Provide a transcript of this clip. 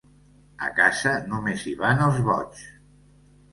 A casa només hi van els boigs.